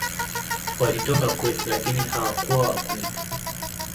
Walitoka kwetu, lakini hawakuwa wa kwetu.